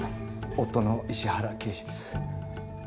夫の石原啓士です。